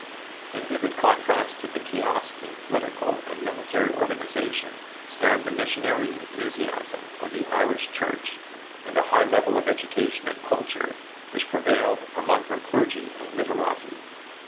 In vivid contrast to the chaos in political and military organisation stand the missionary enthusiasm of the Irish church and the high level of education and culture which prevailed among her clergy and literati.